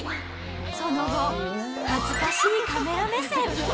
その後、恥ずかしいカメラ目線。